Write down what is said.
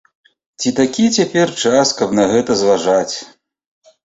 Ці такі час цяпер, каб на гэта зважаць?